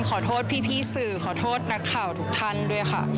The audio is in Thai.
ขอโทษพี่สื่อขอโทษนักข่าวทุกท่านด้วยค่ะ